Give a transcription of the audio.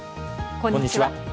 こんにちは。